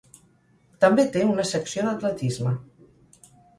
També té una secció d'atletisme.